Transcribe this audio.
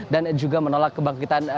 dan juga menolak kebangkitan